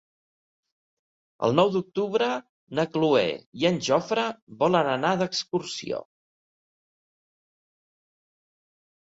El nou d'octubre na Cloè i en Jofre volen anar d'excursió.